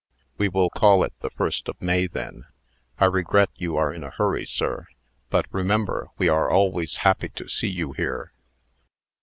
"We will call it the 1st of May, then. I regret you are in a hurry, sir. But remember, we are always happy to see you here."